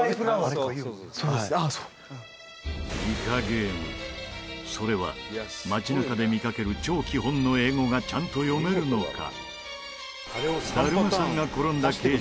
ニカゲームそれは街中で見かける超基本の英語がちゃんと読めるのか？